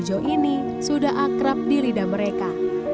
sayuran hijau ini sudah akrab di lidah mereka